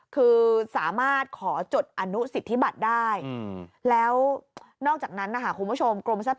คือสามารถขอจดอนุสิทธิบัตรได้แล้วนอกจากนั้นนะคะคุณผู้ชมกรมทรัพย